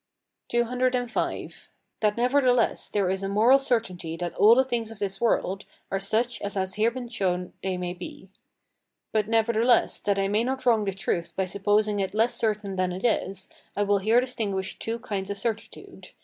[Footnote: words in Greek] CCV. That nevertheless there is a moral certainty that all the things of this world are such as has been here shown they may be. But nevertheless, that I may not wrong the truth by supposing it less certain than it is, I will here distinguish two kinds of certitude.